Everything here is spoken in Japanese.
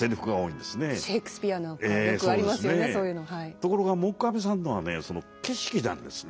ところが黙阿弥さんのはねその景色なんですね。